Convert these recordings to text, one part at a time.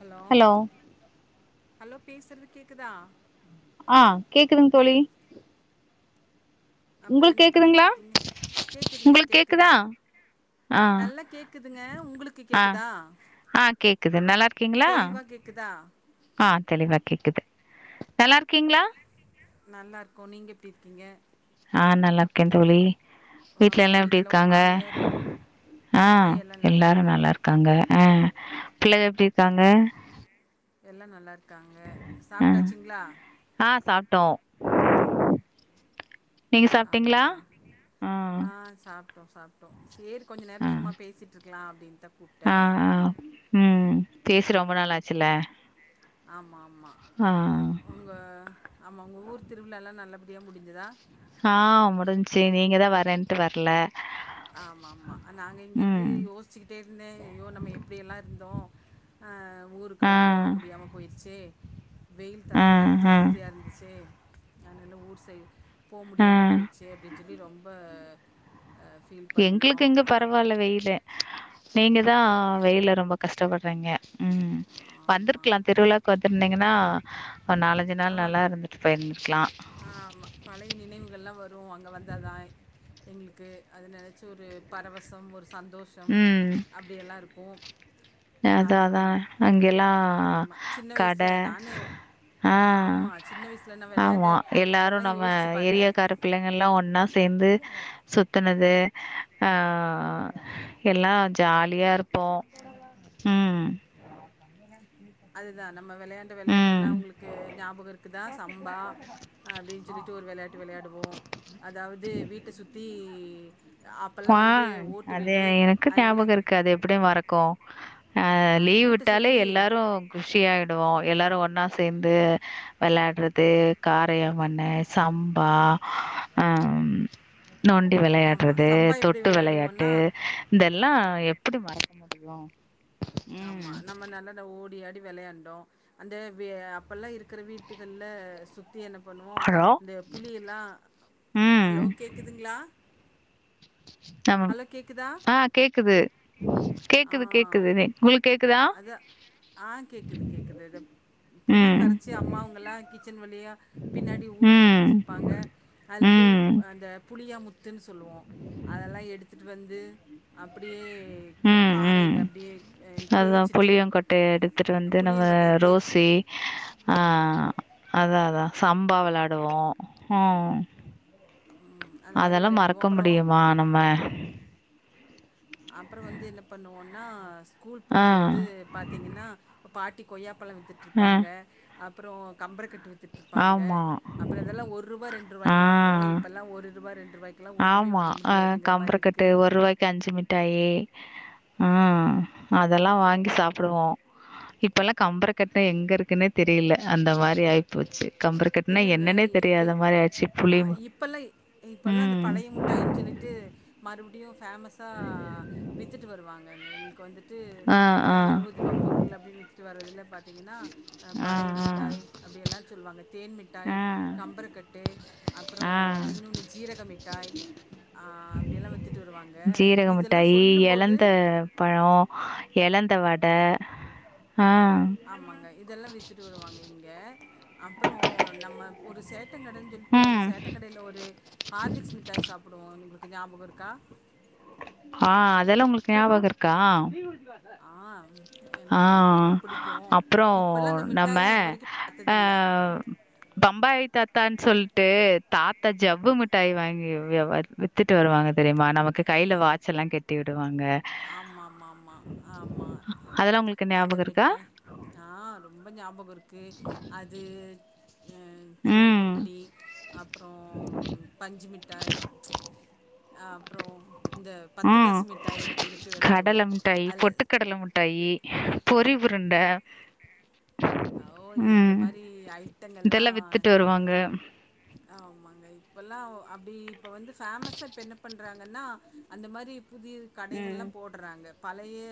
Hello hello பேசுறது கேக்குதா ஆ கேக்குதுங் தோழி அப்பற உங்களுக் என்ன கேக்குதுங்ளா பண்ணிட்ருக்கீங்க கேக்குதுங்க உங்களுக் கேக்குதா கேக்குதுங்க ஆ நல்லா கேக்குதுங்க உங்களுக்கு ஆ கேக்குதா ஆ கேக்குது நல்லாருக்கீங்களா தெளிவா கேக்குதா ஆ தெளிவா கேக்குது நல்லாருக்கீங்களா நல்லார்க்கோ நீங்க எப்புடி இருக்கீங்க ஆ நல்லாக்கே தோழி அ வீட்ல உங்க எல்லா எப்டி உங்க இருக்காங்க மாமியார் ஆ எல்லா நல்லா எல்லாரு இருக்கோ நல்லாருக் காங்க ஆ பிள்ளைக எப்டி இருக்காங்க எல்லா நல்லாருக்காங்க ஆ சாப்ட்டாச்சிங்களா ஆ சாப்ட்டோ நீங்க சாப்ட்டீங்ளா அப்டியா ஆ சாப் டோ சாப்ட்டோ சேரி கொஞ்ச நேரோ ஆ சும்மா பேசிட்ருக்கலா அப்டின்தா கூப் ஆ ஆ ம் பேசி ரொம்ப நாள் ஆச்சுல்ல ஆமா ஆமா உங்க ஆமா உங்க ஊர் திருவிழாலா நல்லபடியா முடிஞ்சுதா ஆ முடுஞ்சு நீங்கதா வரேன்ட்டு வர்ல ஆமா ஆமா நாங்க இங்க இருந்து யோசிச்சுகிட்டே இருந்தே ஐயோ நம்ம எப்டி எல்லா இருந்தோ ஆ ஆ. ஊருக்கெல்லா போக முடியாம போயிர்ச்சே வெயில் ஆ, தாக்க வேற ஆ, ஜாஸ்தியா இருந்துச்சே அதனால ஊர் சை போ ஆ. முடியாம போயிட்ச்சே அப்டின் சொல்லி ரொம்ப ஆ ஃபீல் எங்களுக்கு பண்ணோம் இங்க அப்புறம் பரவால்ல வெயிலு நீங்கதா வெயில்ல ரொம்ப கஷ்டப்பற்றீங்க ம் ஆமா வந்துருக்கலா திருவிழாவுக்கு வந்துருந்தீங்கன்னா ஒரு நாலஞ்சு நாள் ஆமா நல்லா இருந்து போயிர்ந்துக்கலா ஆமா பழைய நினைவுகள்ளா வரு அங்க வந்தாதா எங்களுக்கு அது நெனச்சு ஒரு பரவசம் ஒரு சந்தோஷ் ஷம் ம். அப்டியெல்லா இருக்கு அதான் அப்றம் அதான். [inaudible] அங்கெல்லாம் ஆமா சின்ன வயசுல கடை நானு ஆ. ஆம்மா சின்ன வயசுல நா வெளையாண்ட அதல்லா யோசிச்சு பாத்தே பிள்ளைங்கல்லா ஒன்னா சேந்து சுத்துனது ஆ எல்லா ஜாலியா இருப்போ ம் அதுதா நம்ம வெளையாண் வெளையாட்டெல்லா ம். உங்களுக்கு ஞாபகம் இருக்குதா சம்பா அப்டின் சொல்லிட்டு ஒரு வெளையாட் டு வெளையாடுவோ அதாவது வீட்ட சுத்தி அப்பல்லா வந்து வான் ஓட்டு அது வீடு எனக்கு அதனால ஞாபகம் இருக்கு அது எப்டி மறக்கு அ அந்த லீவ் வீட்ட விட்டாலே சுத்தி எல்லாரு குஷியாயிடுவோ எல்லாரு ஒன்னா சேந்து வெளையாட்றது காரியம் மண்ணு சம்பா ஆ நொண்டி ஆமா வெளையாட்றது சம்பா எப்டி தொட்டு வெளையாட்டு விளையாடுவோன்னா இதல்லா எப்டி மறக்க முடியு ஆம்மா நம்ம நலல்ல ஓடி ஆடி வெளையாண் டோ அந்த வீ அப்பெல்லா இருக்கிற வீட்டுகள்ல சுத்தி என்ன பண்ணுவோ ஹலோ இந்த புளியெல்லா ம் ஹலோ கேட்குதுங்ளா அம் கேக்குதா ஆ கேக்குது ஆ கேக்குது கேக்குது தென் உங்களுக் கேக்குதா அதா ஆ கேக்குது கேக்குது இதப் புளி ம் கரச்சி அம்மாவுங்கல்லா கிச்சன் வழியா பின்னாடி ஊத்தி ம் வெச்சிர்ப்பாங்க அதுல போய் ம் அந்த புளியா முத்துன்னு சொல்லுவோ அதெல்லா எடுத்துட்டு வந்து அப்டியே க ம் ம் காரைல அப்டியே எ அதுதா தேய்ச்சிட்டு புளியங்கொட்டைய புளியங்கொட்டைய தேச்சு அ அதா அதா சம்பா வெளாடுவோ ம் அந்த மாரி அதல்லா வெளையாடுவோ மறக்க அப்புறோ முடியுமா நம்ம அப்றோ வந்து என்ன பண்ணுவோனா ஸ்கூல் ஆ போம்போது பாத்தீங்கன்னா பாட்டி கொய்யாப்பழம் வித்துட்டு ஆ இருப்பாங்க அப்றோ கம்பரக்கட்டு வித்து ட்டுருப்பாங்க ஆமா அப்றோ இதல்லா ஒர்வா ஆ ரெண்ருவாய்க்கு வாங்குவோ இப்பல்லா ஒரு ரூபா ரெண்டு ரூவாய் ஆமா கம்பரக்கட்டு ஒர்வாய்க்கு அஞ்சு மிட்டாயி ம் அதல்லா வாங்கி சாப்டுவோ இப்பல்லா கம்பரகட்ட எங்க இருக்குன்னே தெரில அந்த மாரி ஆயி போச்சு கம்பரக்கட்டுனா இல்லைங்க என்னன்னே இப்ப தெரியாத மாரி ஆச்சி அ புளி இப்பல்லாம் இப்பல்லாம் அந்த ம் பழைய முட்டாய்னு சொல்லிட்டு மறுபடியு ஃபேமஸா வித்துட்டு வருவாங்க எங் எங்களுக்கு வந்து ட்டு ஆ, எல்லா ஆ. இருவது ரூபா பொருள் அப்டின்னு வித்துட்டு வர்றதில்ல பாத்தீங்கன்னா அ ஆ, பழைய ஆ. மிட்டாய் அப்டியெல்லா சொல்வாங்க தேன் மிட்டாய் ஆ. கம்பரக்கட்டு அப்றோ ஆ. இன்னொன்னு ஜீரக மிட்டாய் ஆ அப்டியல்லா வித்துட்டு வருவாங்க இதல்லா சொல்லும்போது பழோ எழந்த வட அ ஆமாங்க இதெல்லா வித்துட்டு வருவாங்க இங்க அப்றோ நம்ம ஒரு சேட்டங் கடன் சொல் ட்டு அந்த ம். சேட்டங்கடைல ஒரு ஹார்லிக்ஸ் மிட்டாய் சாப்டுவோ உங்களுக்கு ஞாபகோ இருக்கா ஆ அதல்லா உங்களுக்கு ஞாபகோ இருக்கா ஆ ஆ எனக்கு ரொம்ப பிடிக்கு அப்றோ இப்பெல்லா அந்த நம்ம மிட்டாய் இது வரைக்கு அ பாத்ததில்ல பம்பாய் தாத்தான்னு சொல்ட்டு தாத்தா ஜவ்வு மிட்டாய் வாங்கி [unintelligible] வித்துட்டு வருவாங்க தெரிமா நமக்கு கைல வாட்செல்லா கெட்டி விடுவாங்க ஆமாமாமா ஆமா அதெல்லாம் உங்களுக்கு அந்த ஞாபகம் இருக்கா? மிட்டாய் ஆ ரொம்ப ஞாபகோ இருக்கு அது சோன் ம். பப்படி அப்றோ பஞ்சு மிட்டாய் அ அப்றோ இந்த பத்து ம். காசு மிட்டாய் கடல முட்டாயி பொட்டு கடல முட்டாயி பொறி உருண்ட ஓ இந்த ம் மாதிரி இதெல்லா ஐட்டங்கள்லாம் வித்துட்டு வருவாங்க ஆமாங்க இப்பல்லா அப்டி இப்ப வந்து ஃபேமஸ்ஸா இப்ப என்ன பண்றாங்கன்னா அந்த மாரி புதிய கடைகள்ல்லா ம். போடறாங்க பலழய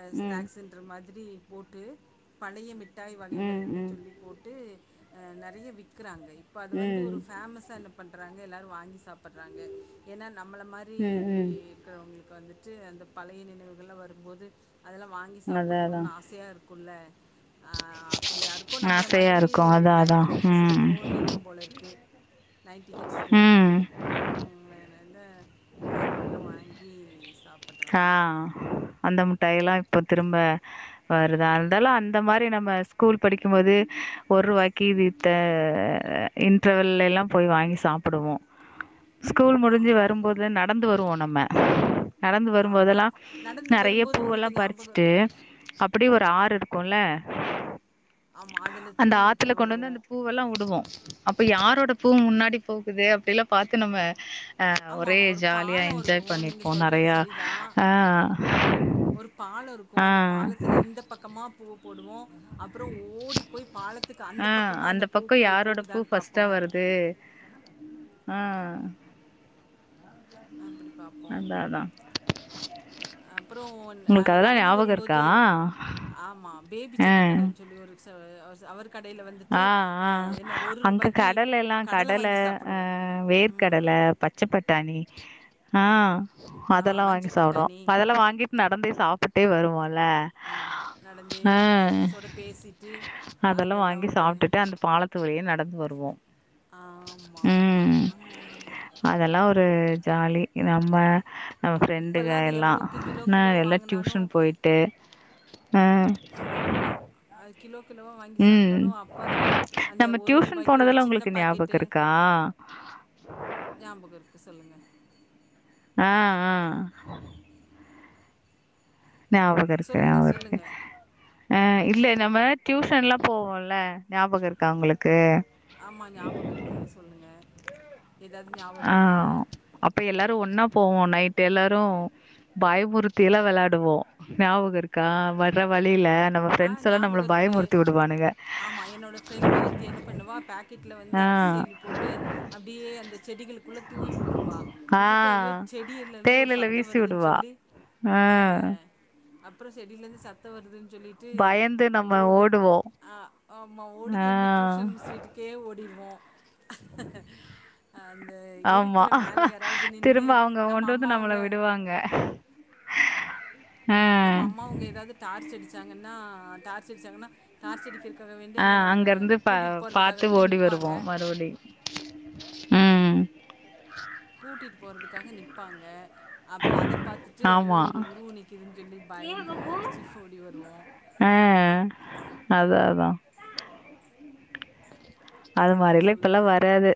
அ ம். ஸ்நாக்ஸ்சு ன்ற மாதிரி போட்டு பழைய மிட்டாய் ம். வகைகள்னு ம். சொல்லி போட்டு அ நெறையா விக்கறாங்க இப்ப அது வந்து ம். ஒரு ஃபேமஸ்ஸா பண்றாங்க எல்லாரு வாங்கி சாப்பர்றாங்க ஏனா நம்மள மாரி ம். ம். இருக்கறவங்களுக்கு வந்துட்டு அந்த பழைய நினைவுகல்லா வரும்போது அதெல்லா வாங்கி அதான் அதான். சாப்புண்ணு ஆசையா இரு இருக்குல்ல ஆ அப்படி யாருக்கு நம்மள ஆசையா மாதிரி இருக்கு அதா அதா நைன்டின் கிட்ஸ்சுக்கு ம் தோணி [unintelligible] இருக்கும் போலிருக்கு நைன்டி கிட்ஸ்க்கு ம் ம் அதுனால்தா அப்டியெல்லா வாங்கி சா ஆ அந்த முட்டாயல்லா இப்ப திரும்ப வருதான்ந்தாலு அந்த மாரி நம்ம ஸ்கூல் படிக்கும்போது ஒருவாக்கி ட்டு இன்ட்ரவெல்யெல்லா போய் வாங்கி சாப்டுவோ ஸ்கூல் முடிஞ்சு ஆமா ஆமா வரும்போதுதா நடந்து வருவோ நம்ம நடந்து ஆமா வரும்போதெல்லா நடந்து நெறையா வரும்போது உங்களுக்கு பூவெல்லாம் ஞாபகம் பறிச்சிட்டு இருக்கு அப்டியே ஒரு ஆறு கோல்ல ஆமா அதுல அந்த தூவி ஆத்துல விட்டுட்டு கொண்டு வந்து வருவோ அந்த பூவெல்லாவுடுவோ அப்ப யாரோட பூ முன்னாடி போகுது அப்டில்லா பாத்து நம்ம ஆ ஆமா ஒரே ஆமா ஒரு ஜாலியா பாலோ இருக்கு என்ஜாய் நீங்க பண்ணிப்போ நா சொல்றது சரிதா ஆ ஆ இந்தப் பக்கமா பூவ போடுவோ அப்புறோ ஓடி போய் பாலத்துக்கு அந்த ஆ பக்கமா அந்த பூக்கள் போகுதான் பாப்போ இது அ அப்படி பாப் அதா அதா அப்புறோ உங்களுக்கு அங்க அதெல்லா நடந்து ஞாபகோ இருக்கா வரும்போது ஆம்மா பேபி சட்ட ஆ கடன்னு சொல்லி ஒரு சொ அவர்ஸ் அவரு கடைல வந்துட்டு ஆ என்ன ஒரு அங்க ரூபாய்க்கி கடல எல்லா கடல வாங்கி சாப்புடுவோ ம் பச்சப் பட்டாணி ஆ ஆ அதெல்லா மஞ்ச வாங்கி சாப்டுவோ பட்டாணி ப்ப அதெல்லா வாங்கி நடந்து சாப்பிட்டே வருவோல ஆம்மா நடந்தே ஆ ஃப்ரெண்ட்ஸோட பேசிட்டு அதெல்லா சாப்ட்டுட்டு அந்த பாலத்து வழியா நடந்து வருவோ ஆமா ஆமா ஆமா ம் ம் அதெல்லா ஒரு ஜாலி நம்ம நம்ம ஃப்ரெண்டுங்க இப்பெல்லாம் அது எல்லா எவ்வளோக்கு கிலோ நா கிலோ வாங்குனாலு எலக்டியூஷன் போய்ட்டு ஆ ஆ ஆம்மா அது கிலோ கிலோவா வாங்கி ம் சாப்ட்டாலு அப்ப நம்ம அந்த நம்ம ஒரு ரூபாய்க்கி ஒரு சின்ன பாக்கெட்டு ஆ ஞாபகோ இருக்கு சொல்லுங்க ஆ ஆ ஞாபக இருக்கு சொல்லுங்க ஞாவோ இருக்கு சொல்லுங்க அ இல்ல நம்ம டியூஷன்லா போவோல்ல ஞாபகோ இருக்கா உங்ளுக்கு ஆம்மா ஞாபகோ இருக்கு சொல்லுங்க ஏதாது ஆ ஞாபகப்படுத்துங்க அப்ப எல்லாரு ஒன்னா போவோ நைட்டு எல்லாரு பயமுறுத்தியிலா வெளாடுவோ ஞாபகோ இருக்கா வர்ற வழில ஆ ஞாபகோ இருக்கு ஆமா என்னோட ஃப்ரெண்ட்டு ஒருத்தி என்ன பண்ணுவா பேக்கெட்ல வந்து ஆ அரிசி அல்லி போட்டு அப்டியே அந்த செடிகள்க் உள்ள தூவிவுட்டுருவா ஆ வுட்டுட்டு ஐயோ செடியிலருந்து ஒரு தேயிலைல சத்தோ வீசி வருதுன் விடுவா. சொல்லி ஆ அப்புறோ செடில இருந்து சத்த வருதுன் சொல்லி ட்டு பயந்து நம்ம ஓடி ஓடுவோ. ஆம்மா ஓடி ஆ திரும்பி டியூஷன் மிஸ் வீட்டு கே ஓடிடுவோ அந்த ஆமா இருக்குல மேல யாராவ்து நின்னு திரும்ப அவங்க நம்ம கொண்டு வந்து நம்மள அம்மாவங்க விடுவாங்க. ஆ நம்ம அம்மாவுங்க ஏதாவ்து டார்ச் அடிச்சாங்கன்னா டார்ச் அடிச்சாங்ன்னா டார்ச் அடிக்கிறதுக்காக வேண்டிய அங்க நம்மள கூட்டிட்டு போறதுக்காக வேண்டி நிப்பாங்க செரி கூட்டிட்டு போறதுக்காக நிப்பாங்க அப்போ அத பாத்துட்டு அய்யோ ஆமா ஒரு உருவோ நிக்கிதுன் சொல்லி பயந்து அடுச்சு ஓடி வருவோ ஆ அதா அதா அது அப்புறோ மாரிலா இப்பெல்லா சொல்லுங்க வராது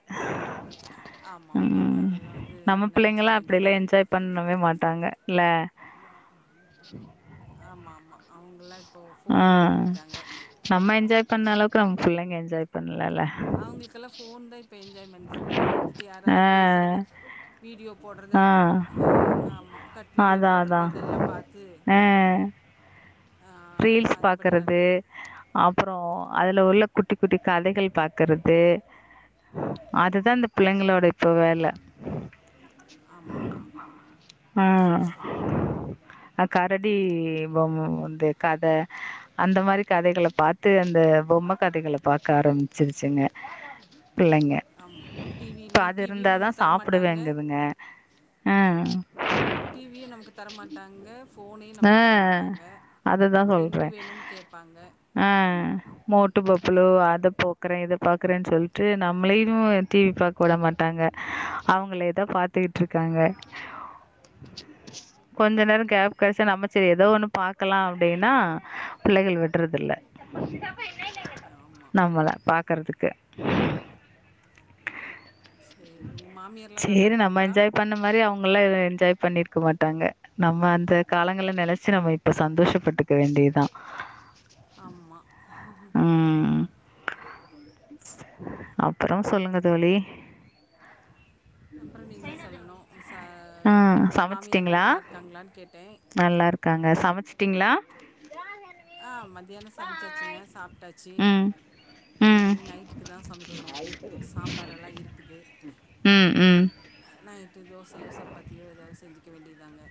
ஆமா ஆமா ம் அதெல்லா வந்து நம்ம நெனச்சிக்க பிள்ளைங்கலா அப்டியெல்லா வேண்டியதா என்ஜாய் பண்ணவே மாட்டாங்க இல ம் ஆமாமா அவங்கெல்லா இப்போ ஆ போன்ல மூழ்கிட்டாங்க நம்ம என்ஜாய் பண்ண அளவுக்கு நம்ம புள்ளைங்க என்ஜாய் பண்லல அவங்களுக்கெல்லா போன் தா இப்ப என்ஜாய்மெண்ட் போன்ல வந்துட்டு யாராது ஆ பேசுறத வீடியோ போட்றத ஆ ஆமா கட் வீடியோ அதா போட்றது அதா இதெல்லா பாத்து ஆ ரீல்ஸ் பாக்குறது நடக்கு அப்பறொ அதுல உள்ள குட்டி குட்டி கதைகள் பாக்குறது அதுதா இந்த பிள்ளைங்களோட இப்ப வேல ஆமாம் ஆமாம் ஆ கரடி பொம்ம வந்து கத அந்த மாரி கதைகள பாத்து அந்த பொம்ம கதைகள பாக்க ஆரம்பிச்சிருச்சுங்க பிள்ளைங்க ஆமாம் இப்ப டிவிலையும் அது டிவியும் இருந்தாதா நமக்கு தரமாட்டாங்க சாப்பிடுவேங்குதுங்க ஆ டிவியும் நமக்கு தரமாட்டாங்க போஃனையு ஆ நமக்கு தரமாட்டாங்க அதை தான் ஃப்ரண்டு சொல்கிறேன் வேணுன் கேப்பாங்க ஆ மோட்டு பப்ளு அத போக்குறே இத பாக்குறேன்னு சொல்ட்டு நம்ளயு டிவி பாக் வுட மாட்டாங்க அவங்களே தா பாத்தீட்ருக்காங்க கொஞ்ச நேரொ கேப் கெடச்சா நம்ம சரி ஏதோ ஒண்ணு பா க்கலா அப்டின்னா பிள்ளைகள் விட்றதில்ல ஆமாம் நம்மள பாக்குறதுக்கு சேரி ஓ மாமியார்ல்லா நல்லா சரி நம்ம ர்க்காங்ளா என்ஜாய் பண்ண மாதிரி அவங்களா என்ஜாய் பண்ணிருக்க மாட்டாங்க நம்ம அந்த காலங்கல நெனச்சு நம்ம இப்ப சந்தோஷப்பட்டுக்க வேண்டியத்தா ஆமாம் உம் அப்பறொ சொல்லுங்க தோழி அப்பறொ நீங்க தா சொல்லணு ச ஆ மாமியார்லா நல்லார்க்காங்ளான் கேட்டே நல்லார்க்காங்க சமச்சிட்டீங்ளா ஆ மத்தியானொ சமைச்சாச்சுங்க சாப்டாச்சு ம் ம் இனி நைட்டுக்கு தா சமைக்கணு சாம்பாரெல்லா இருக்குது உம் உம் நைட்டு தோசையோ சப்பாத்தியோ எதாது செஞ்சுக்க வேண்டியதாங்க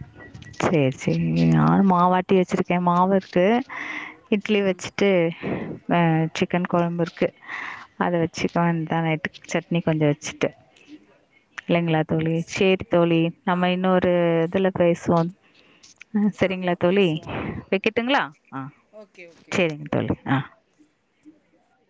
சேரி சேரி நானு மாவட்டி வச்சிருக்கெ மாவிர்க்கு இட்லி ம் வச்சுட்டு சிக்கன் கொழம்பிர்க்கு அத வச் சிக்கன் தா நைட்டுக்கு சட்னி கொஞ்ச வச்சுட்ட இல்லைங்களா தோழி சேரி தோழி நம்ம ஆமாங்க இன்னொரு ஆமாங்க இதுல சுவோ சரிங்களா ஆமா தோழி பேசுவோங்க வெக்கட்டுங்ளா ஆ ஓகே ஓகே ஓகே சேரிங் தோழி ஆ